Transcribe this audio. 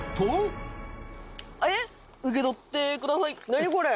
何これ？